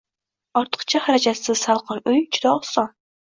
Ortiqcha xarajatsiz salqin uy – juda oson!